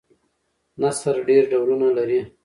نثر ډېر ډولونه لري.